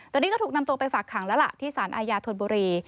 ตอนนี้ก็ถูกนำตัวไปฝากขังแล้วล่ะที่สารอาญาธนบุรี